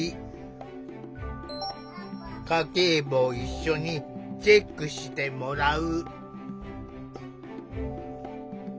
家計簿を一緒にチェックしてもらう。